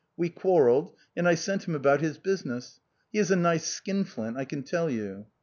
We quarrelled, and I sent him about his business; he is a nice skin flint, I can tell you."